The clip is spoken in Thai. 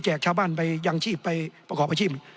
ชาวบ้านไปยังชีพไปประกอบอาชีพ